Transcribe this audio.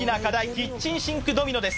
キッチンシンクドミノです